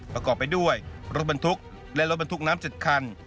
ประกอบไปด้วยรถบรรทุกและรถบรรทุกน้ำ๗คัน